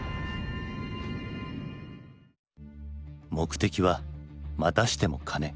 目的はまたしても金。